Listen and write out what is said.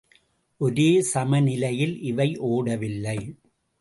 ஒரே சம நிலையில் இவை ஓடவில்லை.